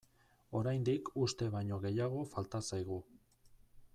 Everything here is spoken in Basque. Oraindik uste baino gehiago falta zaigu.